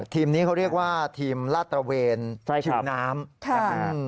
ทีมนี้เขาเรียกว่าทีมลาดตระเวนฉีดน้ำนะฮะ